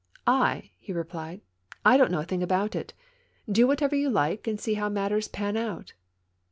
"I!" he replied. '*1 don't know a thing about it. Do whatever you like and see how matters pan out."